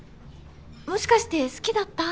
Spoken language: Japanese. もしかして好きだった？